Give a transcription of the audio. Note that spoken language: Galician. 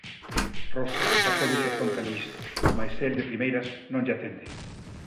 Rosa sacódese fronte a Luís, mais el de primeiras non lle atende.